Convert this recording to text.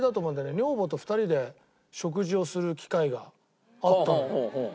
女房と２人で食事をする機会があったのよ。